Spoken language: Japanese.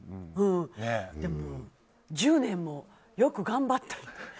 でも１０年もよく頑張った。